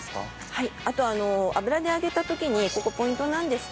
はい。